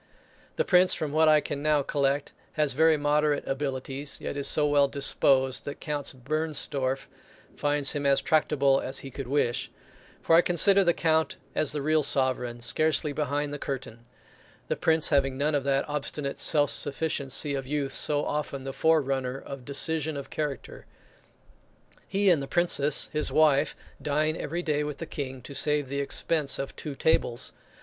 The Prince, from what I can now collect, has very moderate abilities; yet is so well disposed, that Count Bernstorff finds him as tractable as he could wish; for I consider the Count as the real sovereign, scarcely behind the curtain; the Prince having none of that obstinate self sufficiency of youth, so often the forerunner of decision of character. He and the Princess his wife, dine every day with the King, to save the expense of two tables.